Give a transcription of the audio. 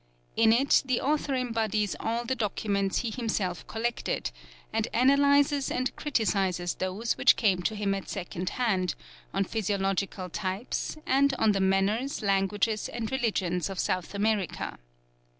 In it the author embodies all the documents he himself collected, and analyzes and criticizes those which came to him at second hand, on physiological types, and on the manners, languages, and religions of South America.